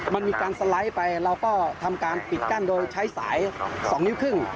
มันมีการสไลด์ไปเราก็ทำการปิดกั้นโดยใช้สาย๒นิ้วครึ่ง